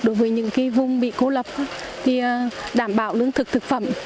đối với những vùng bị cô lập đảm bảo lương thực thực phẩm